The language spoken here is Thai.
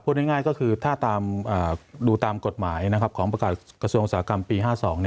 ง่ายก็คือถ้าดูตามกฎหมายของประกาศกระทรวงอุตสาหกรรมปี๕๒